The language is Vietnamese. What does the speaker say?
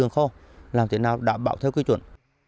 đường kho làm thế nào đảm bảo theo quy truẩn